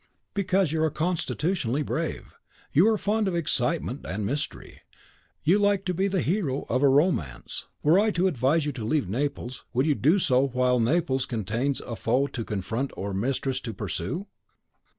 "Because you are constitutionally brave; you are fond of excitement and mystery; you like to be the hero of a romance. Were I to advise you to leave Naples, would you do so while Naples contains a foe to confront or a mistress to pursue?"